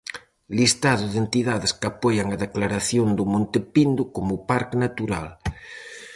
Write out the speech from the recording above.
Listado de entidades que apoian a declaración do Monte Pindo como parque natural: